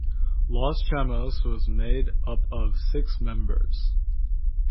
Los Chamos were made up of six members.